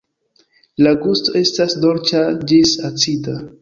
La gusto estas dolĉa ĝis acida.